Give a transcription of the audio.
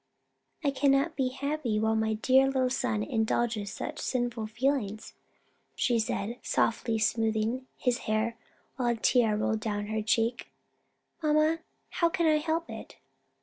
"I cannot be happy while my dear little son indulges such sinful feelings," she said, softly smoothing his hair, while a tear rolled down her cheek. "Mamma, how can I help it?"